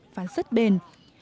và rất bền